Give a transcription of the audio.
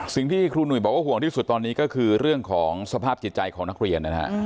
สิ่งที่ครูหนุ่ยบอกว่าห่วงที่สุดตอนนี้ก็คือเรื่องของสภาพจิตใจของนักเรียนนะฮะ